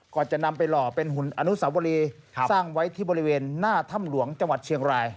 ก่อนจะนำไปหล่อเป็นหุ่นอนุสาวรีสร้างไว้ที่บริเวณหน้าถ้ำหลวงจังหวัดเชียงราย